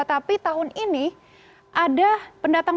tapi tahun ini ada pendatang